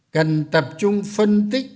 cần tập trung phân tích